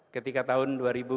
ketika tahun dua ribu dua